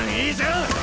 いいじゃん！